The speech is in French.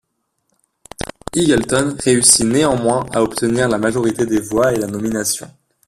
Eagleton réussit néanmoins à obtenir la majorité des voix et la nomination.